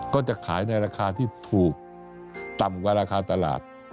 ก็จะขายในราคาที่ถูกต่ำกว่าราคาตลาด